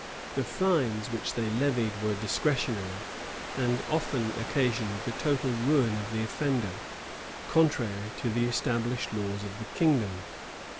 The fines which they levied were discretionary, and often occasioned the total ruin of the offender, contrary to the established laws of the kingdom.